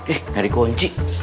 eh gak ada kunci